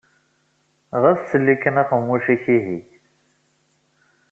Xas ttelli kan aqemmuc-ik, ihi!